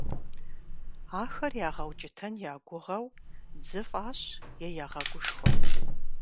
Ахэр ягъэукӀытэн я гугъэу дзы фӀащ е ягъэгушхуэ.